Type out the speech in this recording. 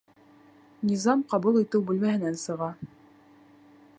Низам ҡабул итеү бүлмәһенән сыға.